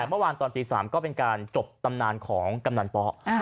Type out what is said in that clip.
เมื่อวานตอนตี๓ก็เป็นการจบตำนานของกำนันป๊